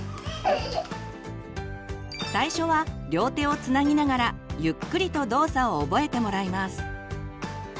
最初は両手をつなぎながらゆっくりと動作を覚えてもらいます。